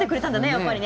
やっぱりね。